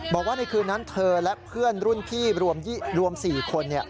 บอกว่าในคืนนั้นเธอและเพื่อนรุ่นพี่รวม๔คน